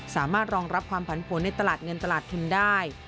สามารถรองรับความผันผลในตลาดเงินตลาดทุนได้